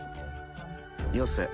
よせ。